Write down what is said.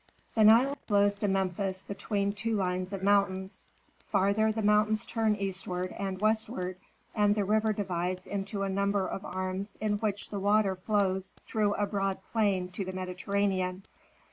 The Nile flows to Memphis between two lines of mountains. Farther the mountains turn eastward and westward, and the river divides into a number of arms in which the water flows through a broad plain to the Mediterranean.